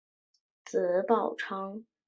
子宝昌。